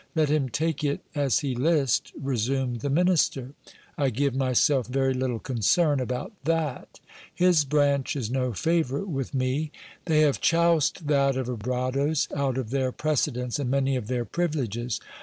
Let him take it as he list, resumed the minister ; I give myself very little concern about that. His branch is no favourite with me : they have choused that of Abrados out of their precedence and many of their privileges.